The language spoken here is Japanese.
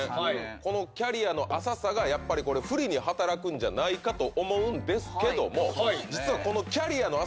このキャリアの浅さがやっぱりこれ不利に働くんじゃないかと思うんですけども実はこの。